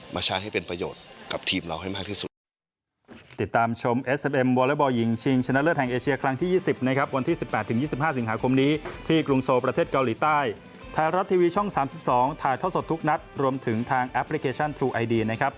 มาใช้ให้เป็นประโยชน์กับทีมเราให้มากที่สุด